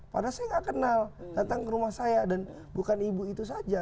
padahal saya nggak kenal datang ke rumah saya dan bukan ibu itu saja